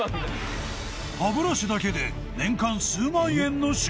歯ブラシだけで年間数万円の出費